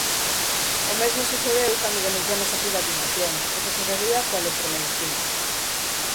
O mesmo sucedeu cando denunciamos a privatización, o que sucedía coa electromedicina.